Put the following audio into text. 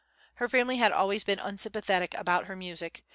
Her family had always been unsympathetic about her music.